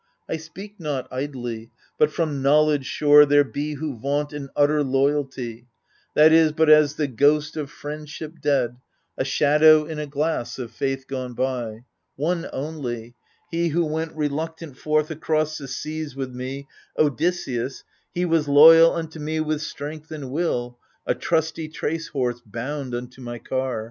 I speak not idly, but from knowledge sure — There be who vaunt an utter loyalty, That is but as the ghost of friendship dead, A shadow in a glass, of faith gone by. One only — he who went reluctant forth Across the seas with me — Odysseus — he Was loyal unto me with strength and will, A trusty trace horse bound unto my car.